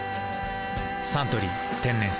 「サントリー天然水」